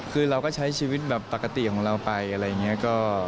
คือเราก็ใช้ชีวิตแบบปกติของเราไปอะไรอย่างนี้